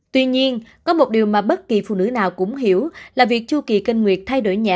tuy nhiên có một điều mà bất kỳ phụ nữ nào cũng hiểu là việc chu kỳ kinh nguyệt thay đổi nhẹ